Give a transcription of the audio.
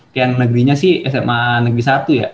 ken negerinya sih sma negeri satu ya